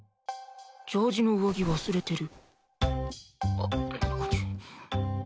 ジャージの上着忘れてる。